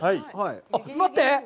待って！